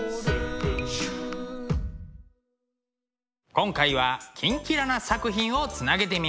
今回は「キンキラ★」な作品をつなげてみました。